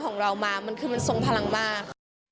ของเรามามันคือมันทรงพลังมาก